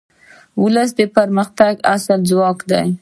ولس د پرمختګ اصلي ځواک دی.